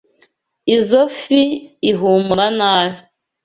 Izoi fi ihumura nabi.